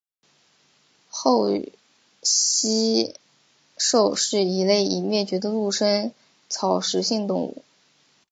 厚膝兽是一类已灭绝的陆生草食性动物。